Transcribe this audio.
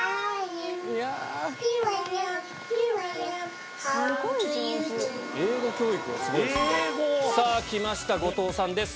ピンポン来ました後藤さんです。